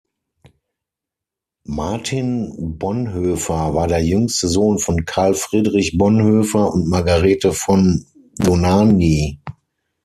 Martin Bonhoeffer war der jüngste Sohn von Karl Friedrich Bonhoeffer und Margarete von Dohnanyi.